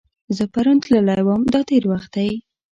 زه پرون تللی وم – دا تېر وخت دی.